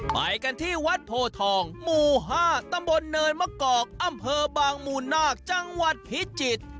ไปกันที่วัดโพทองหมู่๕ตำบลเนินมะกอกอำเภอบางมูลนาคจังหวัดพิจิตร